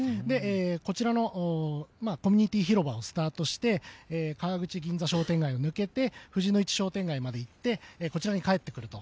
こちらのコミュニティー広場をスタートして川口銀座商店街を抜けてこちらにまた帰ってくると。